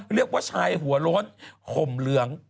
เรียกว่าชายหัวโล้นห่มเหลือง